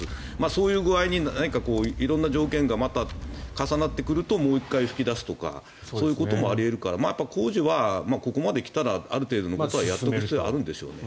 そういう具合に色んな条件がまた重なってくるともう１回噴き出すとかそういうこともあり得るから工事はここまで来たらある程度のところまでやっておく必要はあるんでしょうね。